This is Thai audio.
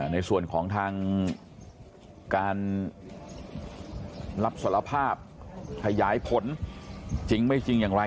ในส่วนของทางการรับสารภาพขยายผลจริงไม่จริงอย่างไร